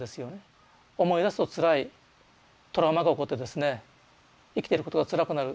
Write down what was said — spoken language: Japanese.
思い出すとつらいトラウマが起こってですね生きてることがつらくなる。